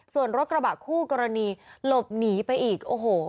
ส่วนรถกระบะคู่กรณีหลบหนีไปอีกโอ้โห